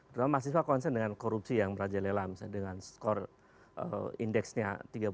terutama mahasiswa konsen dengan korupsi yang merajalela misalnya dengan skor indeksnya tiga puluh delapan